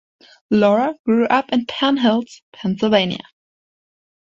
Lauer grew up in Penn Hills, Pennsylvania.